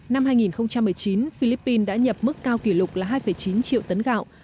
năm hai nghìn một mươi chín philippines đã nhập mức cao kỷ lục là hai chín triệu tấn gạo